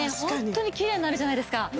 ホントにきれいになるじゃないですか。